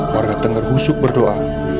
warga tengger husuk berdoa